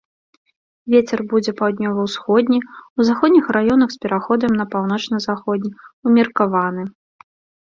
Вецер будзе паўднёва-ўсходні, у заходніх раёнах з пераходам на паўночна-заходні, умеркаваны.